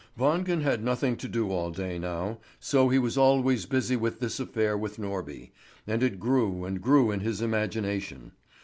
Wangen had nothing to do all day now, so he was always busy with this affair with Norby, and it grew and grew in his imagination.